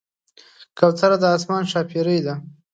کوتره د آسمان ښاپېرۍ ده.